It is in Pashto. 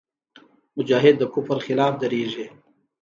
مجاهد د کفر خلاف درېږي.